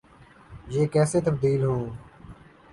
یہ کیسے تبدیل ہوں۔